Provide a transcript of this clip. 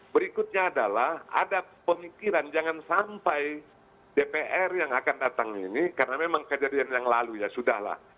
berikutnya adalah ada pemikiran jangan sampai dpr yang akan datang ini karena memang kejadian yang lalu ya sudah lah